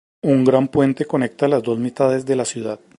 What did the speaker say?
Un gran puente conecta las dos mitades de la ciudad.